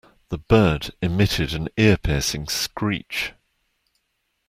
The bird emitted an ear-piercing screech.